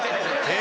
え！